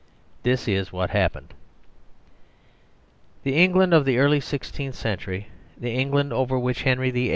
This is what happened : The England of the early sixteenth century, the England over which Henry VIII.